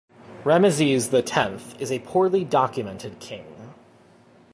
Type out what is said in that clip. Ramesses the Tenth is a poorly documented king.